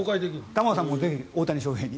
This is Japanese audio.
玉川さんもぜひ大谷翔平に。